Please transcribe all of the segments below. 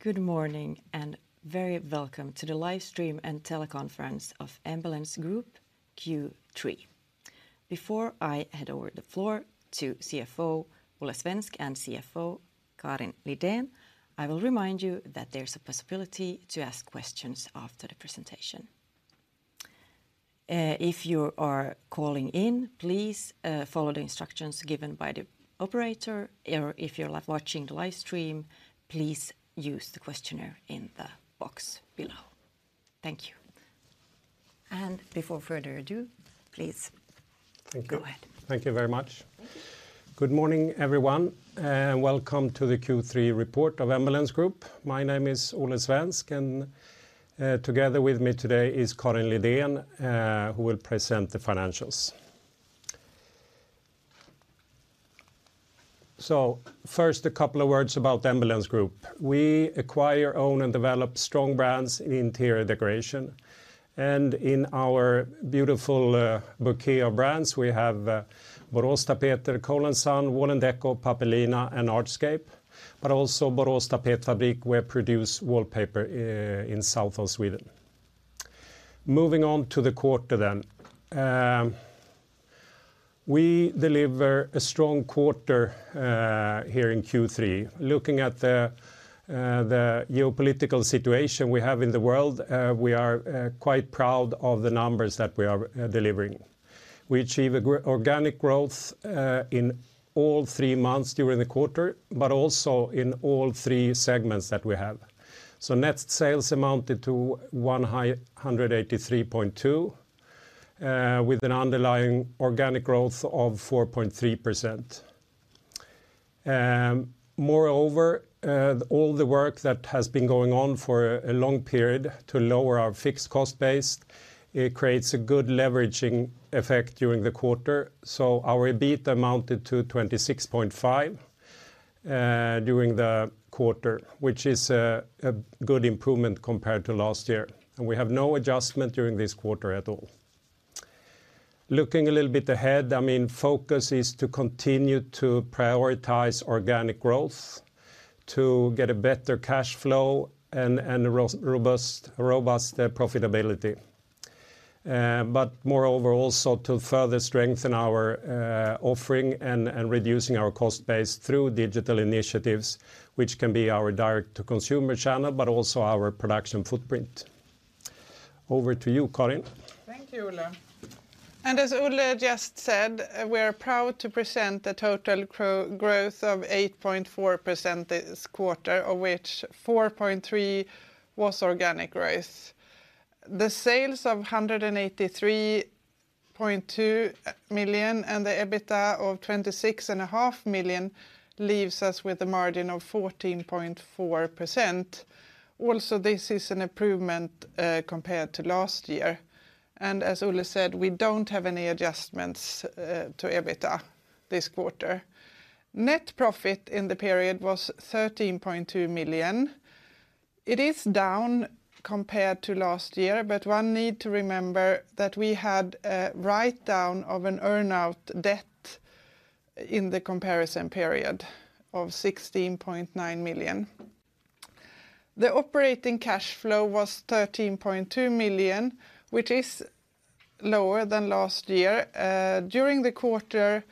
Good morning, and very welcome to the live stream and teleconference of Embellence Group Q3. Before I hand over the floor to CEO, Olle Svensk, and CFO, Karin Lidén, I will remind you that there's a possibility to ask questions after the presentation. If you are calling in, please follow the instructions given by the operator, or if you're live watching the live stream, please use the questionnaire in the box below. Thank you. Before further ado, please go ahead. Thank you very much. Good morning, everyone, and welcome to the Q3 report of Embellence Group. My name is Olle Svensk, and together with me today is Karin Lidén, who will present the financials. So first, a couple of words about Embellence Group. We acquire, own, and develop strong brands in interior decoration, and in our beautiful bouquet of brands, we have Boråstapeter, Cole & Son, Wall&decò, Pappelina, and Artscape, but also Borås Tapetfabrik, where produce wallpaper in south of Sweden. Moving on to the quarter then. We deliver a strong quarter here in Q3. Looking at the geopolitical situation we have in the world, we are quite proud of the numbers that we are delivering. We achieve organic growth in all three months during the quarter, but also in all three segments that we have. So net sales amounted to 183.2 with an underlying organic growth of 4.3%. Moreover, all the work that has been going on for a long period to lower our fixed cost base, it creates a good leveraging effect during the quarter, so our EBITDA amounted to 26.5 during the quarter, which is a good improvement compared to last year, and we have no adjustment during this quarter at all. Looking a little bit ahead, I mean, focus is to continue to prioritize organic growth, to get a better cash flow, and a robust profitability. But moreover, also to further strengthen our offering and reducing our cost base through digital initiatives, which can be our direct-to-consumer channel, but also our production footprint. Over to you, Karin. Thank you, Olle. And as Olle just said, we are proud to present the total growth of 8.4% this quarter, of which 4.3 was organic growth. The sales of 183.2 million, and the EBITDA of 26.5 million, leaves us with a margin of 14.4%. Also, this is an improvement compared to last year, and as Olle said, we don't have any adjustments to EBITDA this quarter. Net profit in the period was 13.2 million. It is down compared to last year, but one need to remember that we had a write-down of an earn-out debt in the comparison period of 16.9 million. The operating cash flow was 13.2 million, which is lower than last year. During the quarter,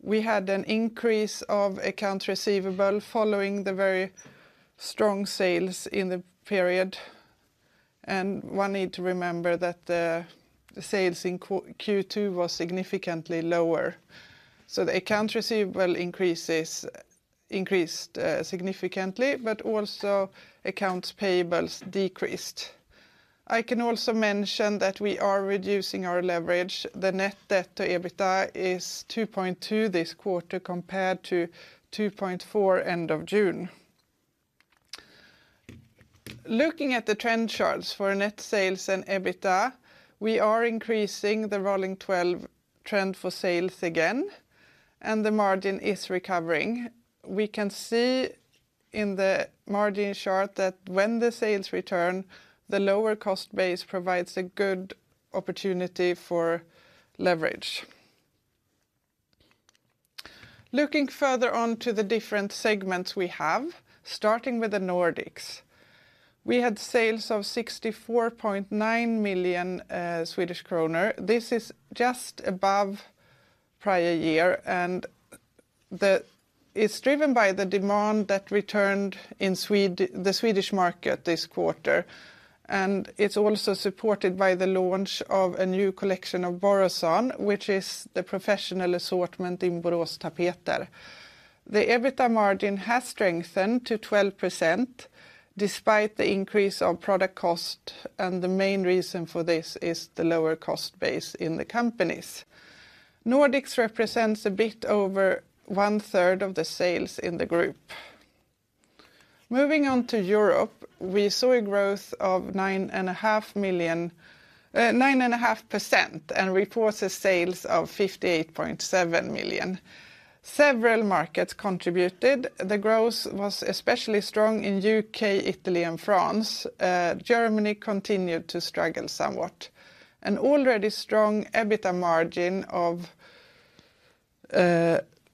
we had an increase of account receivable following the very strong sales in the period, and one need to remember that the sales in Q2 was significantly lower. So the account receivable increased significantly, but also accounts payables decreased. I can also mention that we are reducing our leverage. The net debt to EBITDA is 2.2 this quarter, compared to 2.4, end of June. Looking at the trend charts for net sales and EBITDA, we are increasing the rolling twelve trend for sales again, and the margin is recovering. We can see in the margin chart that when the sales return, the lower cost base provides a good opportunity for leverage. Looking further on to the different segments we have, starting with the Nordics. We had sales of 64.9 million Swedish kronor. This is just above prior year, and the it's driven by the demand that returned in the Swedish market this quarter, and it's also supported by the launch of a new collection of Borasan, which is the professional assortment in Boråstapeter. The EBITDA margin has strengthened to 12%, despite the increase of product cost, and the main reason for this is the lower cost base in the companies. Nordics represents a bit over one-third of the sales in the group. Moving on to Europe, we saw a growth of 9.5 million, 9.5%, and report the sales of 58.7 million. Several markets contributed. The growth was especially strong in U.K., Italy, and France. Germany continued to struggle somewhat. An already strong EBITDA margin of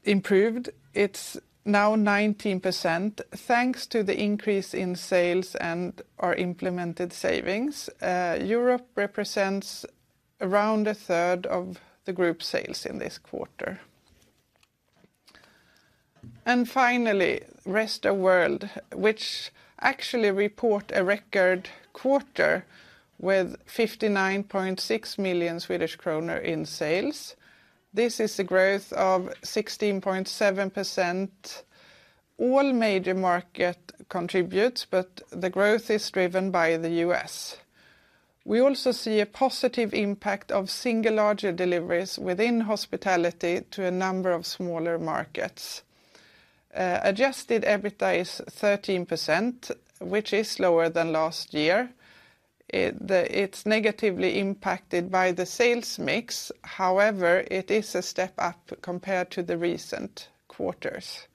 improved. It's now 19%, thanks to the increase in sales and our implemented savings. Europe represents around a third of the group sales in this quarter. And finally, Rest of World, which actually reports a record quarter with 59.6 million Swedish kronor in sales. This is a growth of 16.7%. All major market contributes, but the growth is driven by the U.S. We also see a positive impact of single larger deliveries within hospitality to a number of smaller markets. Adjusted EBITDA is 13%, which is lower than last year. It's negatively impacted by the sales mix. However, it is a step up compared to the recent quarters.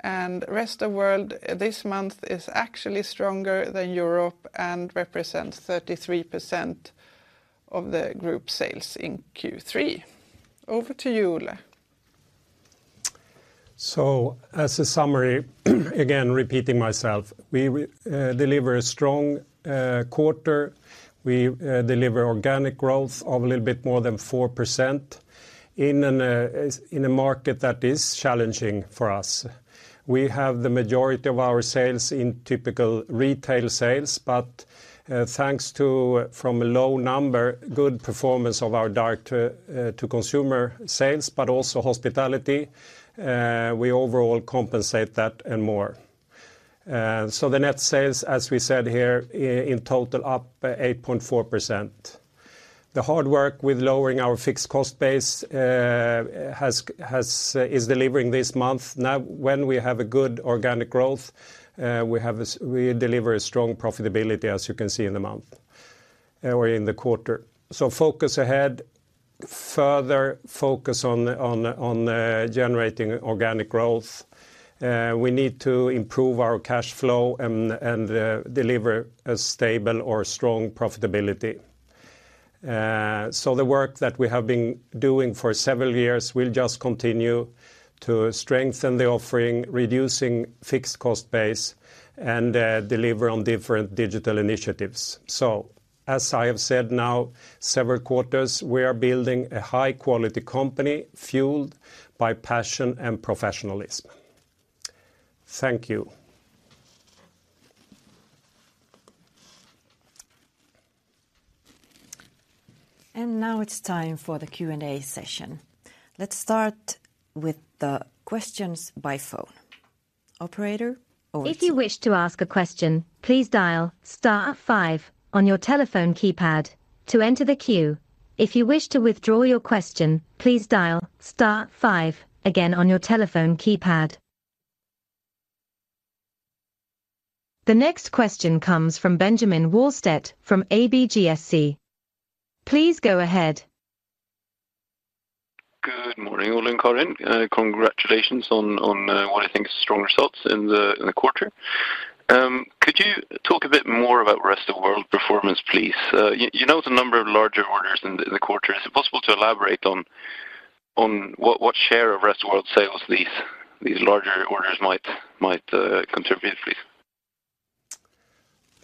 And Rest of World, this month, is actually stronger than Europe and represents 33% of the group sales in Q3. Over to you, Olle. So as a summary, again, repeating myself, we deliver a strong quarter. We deliver organic growth of a little bit more than 4% in a market that is challenging for us. We have the majority of our sales in typical retail sales, but thanks to, from a low number, good performance of our direct-to-consumer sales, but also hospitality, we overall compensate that and more. So the net sales, as we said here, in total, up 8.4%. The hard work with lowering our fixed cost base is delivering this month. Now, when we have a good organic growth, we deliver a strong profitability, as you can see in the month or in the quarter. So focus ahead, further focus on generating organic growth. We need to improve our cash flow and deliver a stable or strong profitability. So the work that we have been doing for several years will just continue to strengthen the offering, reducing fixed cost base, and deliver on different digital initiatives. So as I have said now, several quarters, we are building a high-quality company fueled by passion and professionalism. Thank you. Now it's time for the Q&A session. Let's start with the questions by phone. Operator? Over to you. If you wish to ask a question, please dial star five on your telephone keypad to enter the queue. If you wish to withdraw your question, please dial star five again on your telephone keypad. The next question comes from Benjamin Wahlstedt from ABGSC. Please go ahead. Good morning, Olle and Karin. Congratulations on what I think is strong results in the quarter. Could you talk a bit more about Rest of World performance, please? You know, the number of larger orders in the quarter, is it possible to elaborate on what share of Rest of World sales these larger orders might contribute, please?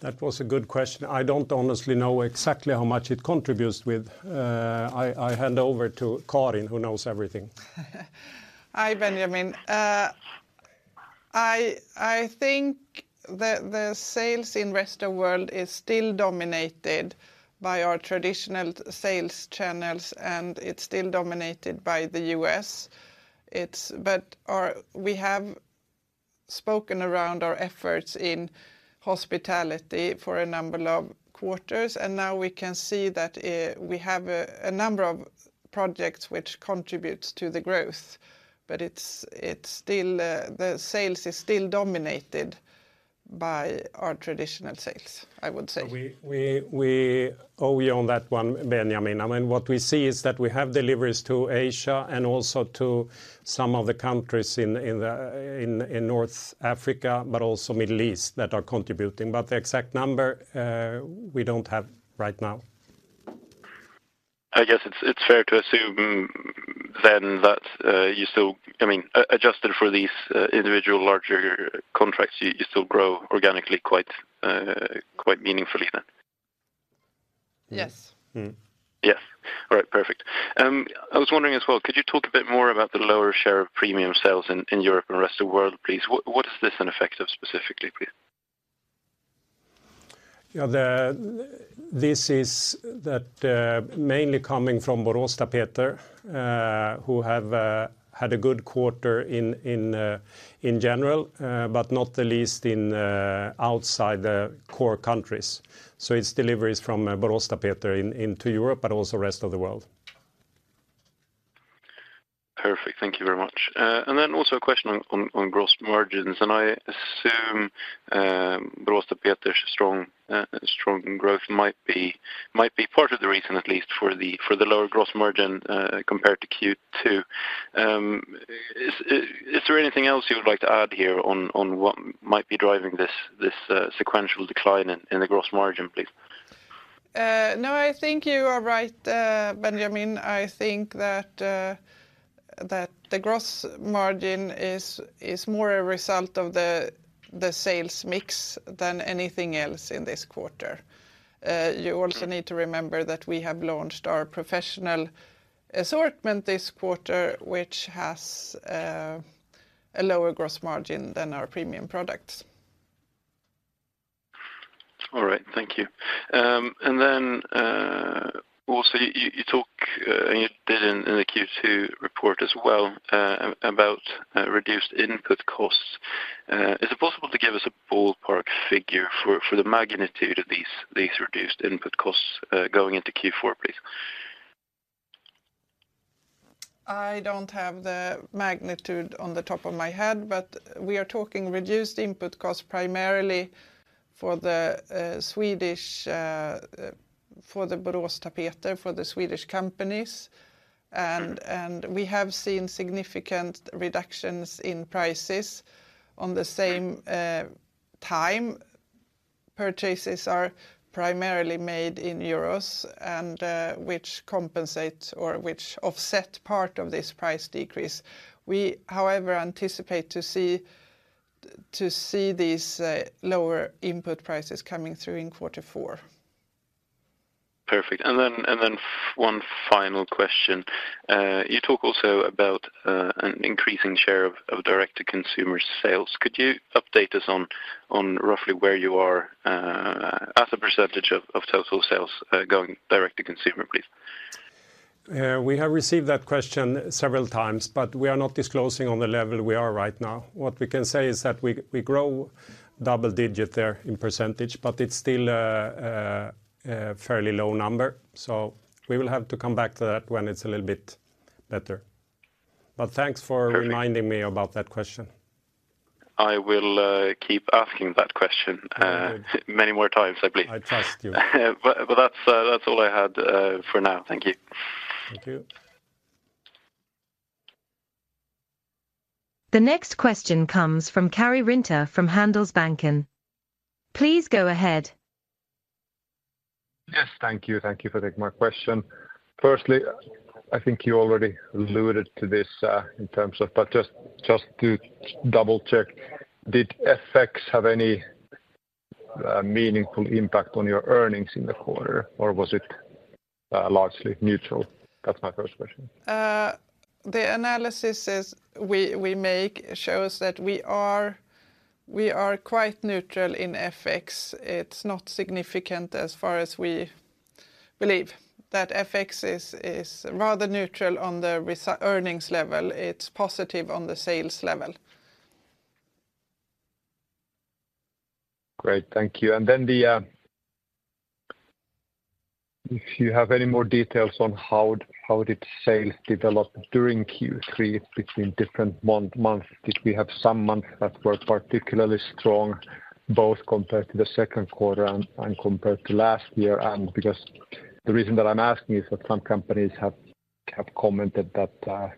That was a good question. I don't honestly know exactly how much it contributes with. I hand over to Karin, who knows everything. Hi, Benjamin. I think the sales in Rest of World is still dominated by our traditional sales channels, and it's still dominated by the U.S. It's. We have spoken around our efforts in hospitality for a number of quarters, and now we can see that we have a number of projects which contributes to the growth, but it's still the sales is still dominated by our traditional sales, I would say. We owe you on that one, Benjamin. I mean, what we see is that we have deliveries to Asia and also to some of the countries in North Africa, but also Middle East, that are contributing. But the exact number, we don't have right now. I guess it's fair to assume then that you still, I mean, adjusted for these individual larger contracts, you still grow organically quite meaningfully then? Yes. Mm-hmm. Yeah. All right, perfect. I was wondering as well, could you talk a bit more about the lower share of premium sales in Europe and the Rest of World, please? What is this an effect of specifically, please? Yeah, this is mainly coming from Boråstapeter, who have had a good quarter in general, but not the least in outside the core countries. So it's deliveries from Boråstapeter into Europe, but also Rest of the World. Perfect. Thank you very much. And then also a question on gross margins, and I assume Boråstapeter's strong growth might be part of the reason, at least for the lower gross margin compared to Q2. Is there anything else you would like to add here on what might be driving this sequential decline in the gross margin, please? No, I think you are right, Benjamin. I think that the gross margin is more a result of the sales mix than anything else in this quarter. You also need to remember that we have launched our professional assortment this quarter, which has a lower gross margin than our premium products. All right. Thank you. And then, also, you talk, and you did in the Q2 report as well, about reduced input costs. Is it possible to give us a ballpark figure for the magnitude of these reduced input costs, going into Q4, please? I don't have the magnitude on the top of my head, but we are talking reduced input costs primarily for the Swedish, for the Boråstapeter, for the Swedish companies. And we have seen significant reductions in prices on the same time. Purchases are primarily made in euros, and which compensate or which offset part of this price decrease. We, however, anticipate to see these lower input prices coming through in quarter four. Perfect. One final question. You talk also about an increasing share of direct-to-consumer sales. Could you update us on roughly where you are as a percentage of total sales going direct-to-consumer, please? We have received that question several times, but we are not disclosing on the level we are right now. What we can say is that we grow double-digit there in percentage, but it's still a fairly low number, so we will have to come back to that when it's a little bit better. But thanks for reminding me about that question. I will keep asking that question- Good Many more times, I believe. I trust you. But that's all I had for now. Thank you. Thank you. The next question comes from Karri Rinta from Handelsbanken. Please go ahead. Yes, thank you. Thank you for taking my question. Firstly, I think you already alluded to this, in terms of but just, just to double-check, did FX have any meaningful impact on your earnings in the quarter, or was it largely neutral? That's my first question. The analysis shows that we are quite neutral in FX. It's not significant as far as we believe. That FX is rather neutral on the earnings level. It's positive on the sales level. Great. Thank you. And then the if you have any more details on how, how did sales develop during Q3 between different month, months? Did we have some months that were particularly strong, both compared to the second quarter and, and compared to last year? And because the reason that I'm asking is that some companies have, have commented that,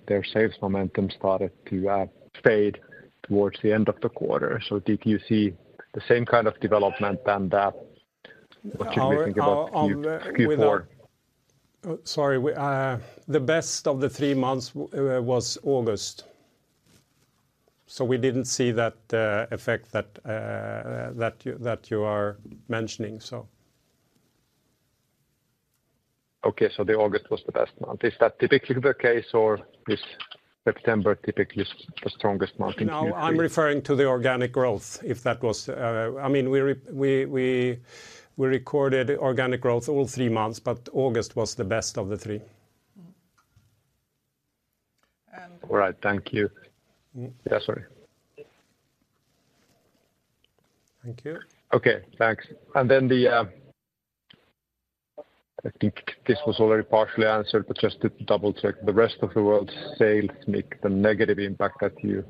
their sales momentum started to, fade towards the end of the quarter. So did you see the same kind of development than that? What should we think about- On the- Q4? Sorry, the best of the three months was August. So we didn't see that effect that you are mentioning, so. Okay, so the August was the best month. Is that typically the case, or is September typically the strongest month in Q3? No, I'm referring to the organic growth, if that was I mean, we recorded organic growth all three months, but August was the best of the three. Mm-hmm. And- All right. Thank you. Sorry. Thank you. Okay, thanks. And then, I think this was already partially answered, but just to double-check, the rest of the world's sales make the negative impact that you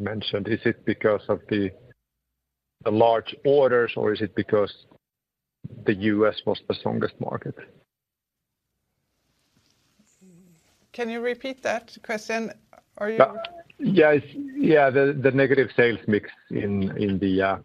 mentioned. Is it because of the large orders, or is it because the U.S. was the strongest market? Can you repeat that question? Are you- Yeah. Yeah, the negative sales mix in the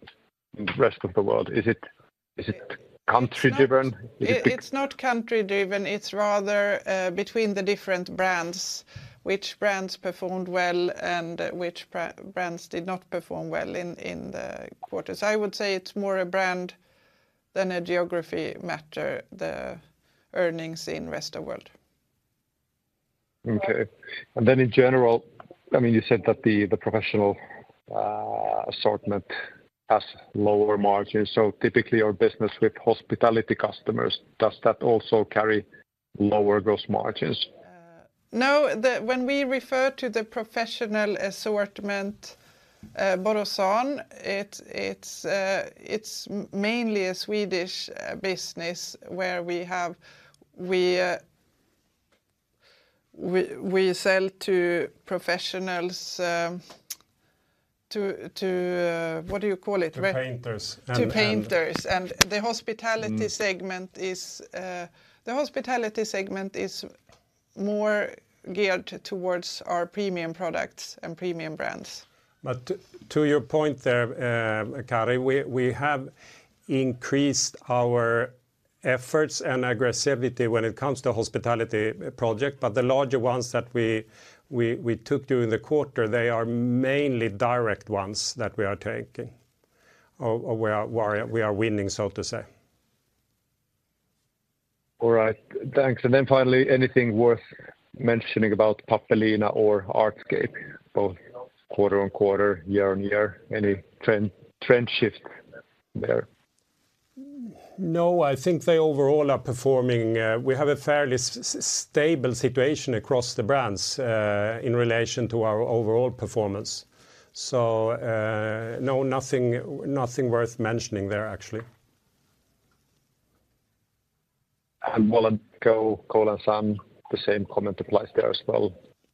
Rest of World, is it country-driven? It's not country-driven. It's rather between the different brands, which brands performed well and which brands did not perform well in the quarter. So I would say it's more a brand than a geography matter, the earnings in rest of world. Okay. And then in general, I mean, you said that the professional assortment has lower margins. So typically, our business with hospitality customers, does that also carry lower gross margins? No, when we refer to the professional assortment, Borasan, it's mainly a Swedish business, where we sell to professionals, to what do you call it? We- To painters, To painters. The hospitality segment- Mm. Is, the hospitality segment is, more geared towards our premium products and premium brands. But to your point there, Kari, we have increased our efforts and aggressivity when it comes to hospitality project, but the larger ones that we took during the quarter, they are mainly direct ones that we are taking or we are winning, so to say. All right, thanks. And then finally, anything worth mentioning about Pappelina or Artscape, both quarter on quarter, year on year? Any trend, trend shift there? No, I think they overall are performing. We have a fairly stable situation across the brands, in relation to our overall performance. So, no, nothing, nothing worth mentioning there, actually. We look at Cole & Son? The same comment applies there as well.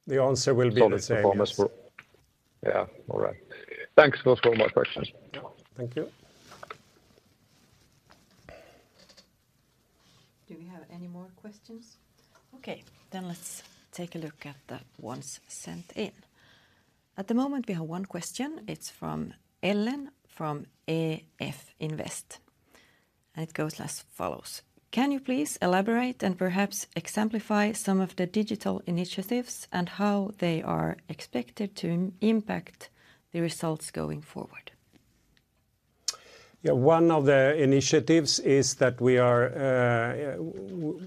The answer will be the same, yes. Yeah. All right. Thanks. Those were my questions. Thank you. Do we have any more questions? Okay, then let's take a look at the ones sent in. At the moment, we have one question. It's from Ellen, from EF Invest, and it goes as follows: Can you please elaborate and perhaps exemplify some of the digital initiatives and how they are expected to impact the results going forward? Yeah, one of the initiatives is that we are,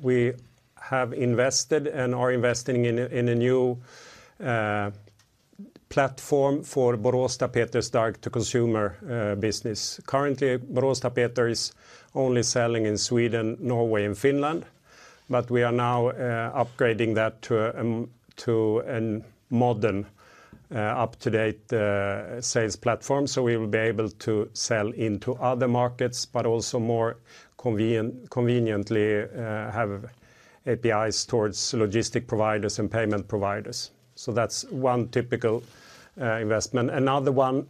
we have invested and are investing in a, in a new, platform for Boråstapeter's direct-to-consumer, business. Currently, Boråstapeter is only selling in Sweden, Norway, and Finland, but we are now, upgrading that to a, to a modern, up-to-date, sales platform. So we will be able to sell into other markets, but also more conveniently, have APIs towards logistic providers and payment providers. So that's one typical, investment. Another one,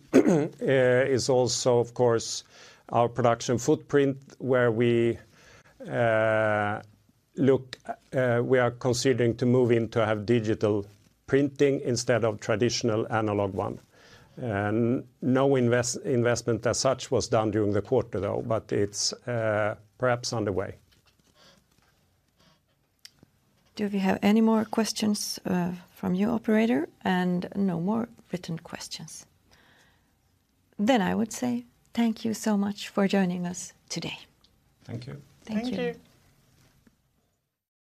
is also, of course, our production footprint, where we, look. We are considering to move in to have digital printing instead of traditional analog one. And no investment as such was done during the quarter, though, but it's, perhaps on the way. Do we have any more questions, from you, operator? No more written questions. I would say thank you so much for joining us today. Thank you. Thank you. Thank you!